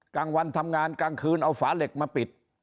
กลางวันทำงานกลางคืนเอาฝาเหล็กมาปิด